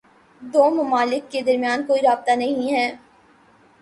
دو ممالک کے درمیان کوئی رابطہ نہیں ہے